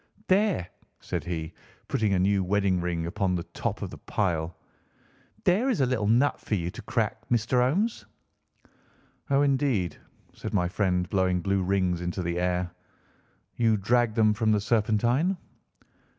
"There," said he, putting a new wedding ring upon the top of the pile. "There is a little nut for you to crack, Master Holmes." "Oh, indeed!" said my friend, blowing blue rings into the air. "You dragged them from the Serpentine?"